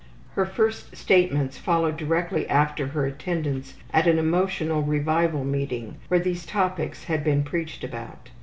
Her first statements followed directly after her attendance at an emotional revival meeting where these topics had been preached about.